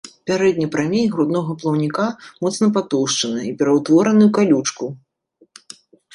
Пярэдні прамень груднога плаўніка моцна патоўшчаны і пераўтвораны ў калючку.